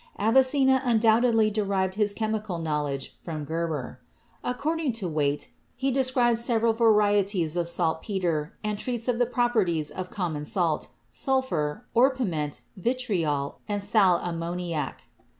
Avicenna undoubtedly derived his chemical knowledge from Geber. According to Waite, he describes several varieties of saltpeter and treats of the properties of common salt, sulphur, orpiment, vitriol and sal ammoniac.